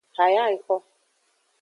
Haya exo.